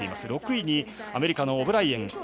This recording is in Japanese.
６位にアメリカのオブライエン。